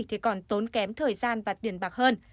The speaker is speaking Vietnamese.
thì còn tốn kém thời gian và tiền bạc hơn